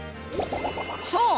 そう！